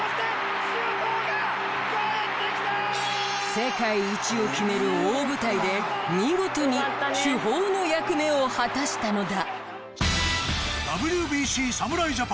世界一を決める大舞台で見事に主砲の役目を果たしたのだ。